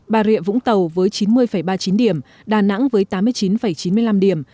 bà rịa vũng tàu với chín mươi ba mươi chín điểm đà nẵng với tám mươi chín chín mươi năm điểm